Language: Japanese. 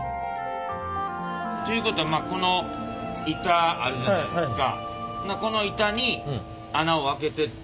ということはこの板あるじゃないですか。